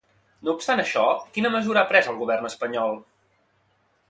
No obstant això, quina mesura ha pres el Govern espanyol?